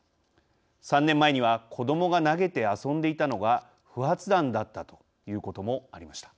３年前には子どもが投げて遊んでいたのが不発弾だったということもありました。